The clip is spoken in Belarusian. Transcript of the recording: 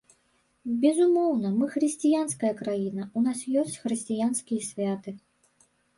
Безумоўна, мы хрысціянская краіна, у нас ёсць хрысціянскія святы.